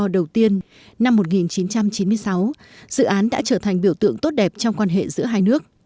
dự án đã trở thành biểu tượng tốt đẹp trong quan hệ giữa hai nước